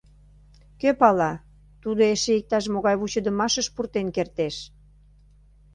Кӧ пала, тудо эше иктаж-могай вучыдымашыш пуртен кертеш...